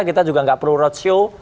kita juga nggak perlu roadshow